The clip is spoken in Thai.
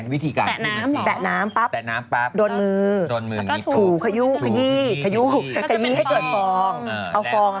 วิธีการคุยกันสิแปะน้ำปั๊บโดนมือถูขยี้ขยี้ขยี้ให้เตือนฟอง